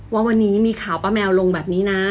ว่าวันนี้มีข่าวป้าแมวลงแบบนี้นะ